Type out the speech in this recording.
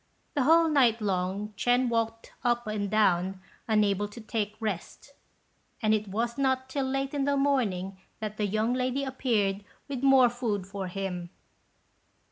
The whole night long Ch'ên walked up and down unable to take rest; and it was not till late in the morning that the young lady appeared with more food for him.